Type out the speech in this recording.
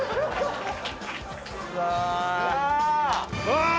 うわ！